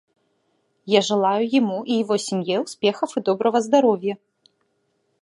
Я желаю ему и его семье успехов и доброго здоровья.